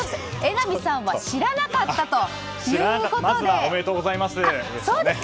榎並さんは知らなかったということです。